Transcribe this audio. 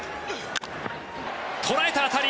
捉えた当たり！